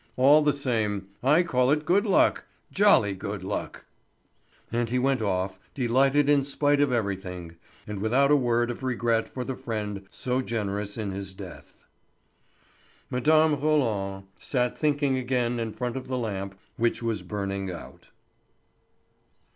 All the same, I call it good luck, jolly good luck!" And he went off, delighted in spite of everything, and without a word of regret for the friend so generous in his death. Mme. Roland sat thinking again in front of the lamp which was burning out.